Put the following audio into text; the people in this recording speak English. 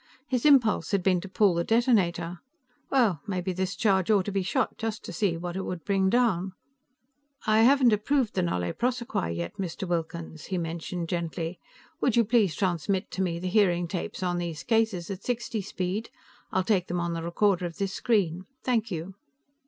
His impulse had been to pull the detonator. Well, maybe this charge ought to be shot, just to see what it would bring down. "I haven't approved the nolle prosequi yet, Mr. Wilkins," he mentioned gently. "Would you please transmit to me the hearing tapes on these cases, at sixty speed? I'll take them on the recorder of this screen. Thank you."